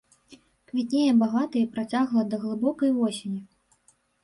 Квітнее багата і працягла да глыбокай восені.